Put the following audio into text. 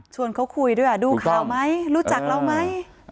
ชวนเขาคุยด้วยอะดูข่าวไหมรู้จักเราไหมเอ่อ